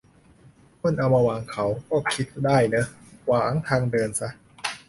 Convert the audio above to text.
คนเอามาวางเขาก็คิดได้เนอะ ขวางทางเดินซะ